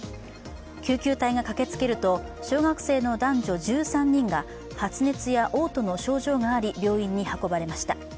救急隊が駆けつけると小学生の男女１３人が発熱やおう吐の症状があり病院に運ばれました。